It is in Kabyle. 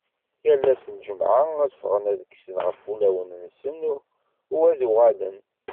Yal ass n lǧemɛa ad d-ffɣen ad kksen ɣef ulawen-nsen u ad uɣalen.